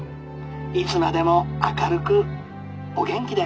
いつまでも明るくお元気で。